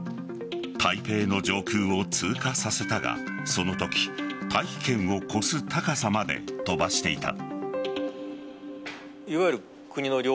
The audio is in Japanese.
台北の上空を通過させたがそのとき大気圏を越す高さまで飛ばしていた。